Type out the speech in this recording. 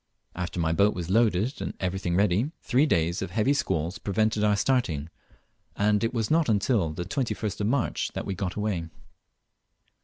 After my boat was loaded and everything ready, three days of heavy squalls prevented our starting, and it was not till the 21st of March that we got away.